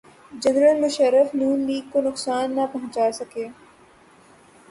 General Musharraf Noon league کو نقصان نہ پہنچا سکے۔